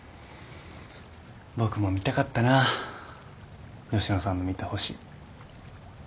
僕も見たかったな吉野さんの見た星。